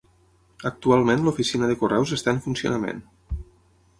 Actualment l'oficina de correus està en funcionament.